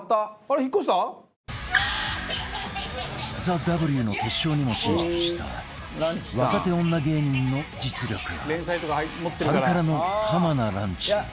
ＴＨＥＷ の決勝にも進出した若手女芸人の実力派ハルカラの浜名ランチ